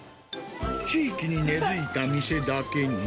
地域に根付いた店だけに。